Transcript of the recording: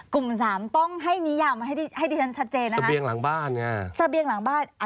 กลุ่มสามต้องให้นิยามให้ดิฉันชัดเจนนะคะเสบียงหลังบ้านไงเสบียงหลังบ้าน